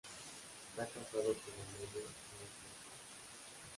Está casado con Amelia Valcárcel.